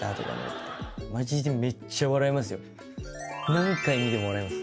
何回見ても笑います。